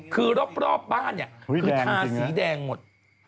คือรอบบ้านคือทาสีแดงหมด